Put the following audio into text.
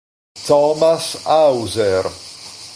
Thomas Hauser